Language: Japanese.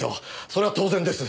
それは当然です。